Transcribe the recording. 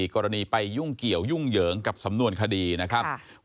กรณีไปยุ่งเกี่ยวยุ่งเหยิงกับสำนวนคดีนะครับ